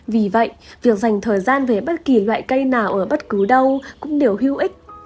vì vậy việc dành thời gian về bất kỳ loại cây nào ở bất cứ đâu cũng đều hữu ích